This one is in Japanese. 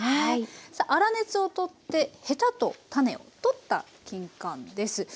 さあ粗熱を取ってヘタと種を取ったきんかんです。